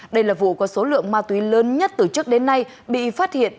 đây là vụ có số lượng ma túy lớn nhất từ trước đến nay bị phát hiện